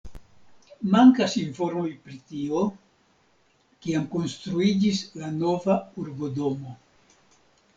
Mankas informoj pri tio, kiam konstruiĝis la nova urbodomo.